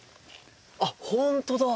あっ本当だ。